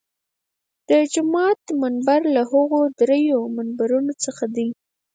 د جومات منبر له هغو درېیو منبرونو څخه دی.